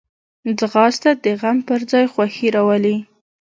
ځغاسته د غم پر ځای خوښي راولي